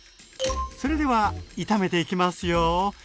それでは炒めていきますよ。